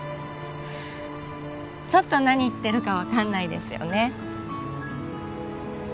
ちょっと何言ってるか分かんないですよね